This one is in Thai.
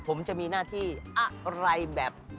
ผมจะมีหน้าที่อะไรแบบ